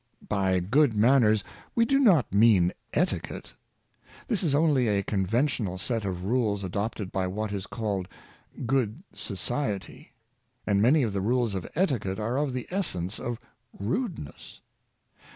By good manners we do not mean etiquette. This is only a conventional set of rules adopted by what is called ^'good society;" and many of the rules of eti quette are of the essence of rudeness.